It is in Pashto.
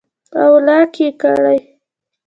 او لاک ئې کړي